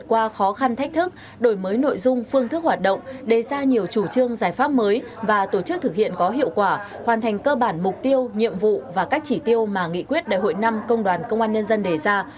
qua khó khăn thách thức đổi mới nội dung phương thức hoạt động đề ra nhiều chủ trương giải pháp mới và tổ chức thực hiện có hiệu quả hoàn thành cơ bản mục tiêu nhiệm vụ và các chỉ tiêu mà nghị quyết đại hội năm công đoàn công an nhân dân đề ra